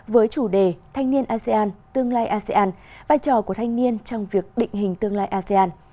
với chủ đề thanh niên asean tương lai asean vai trò của thanh niên trong việc định hình tương lai asean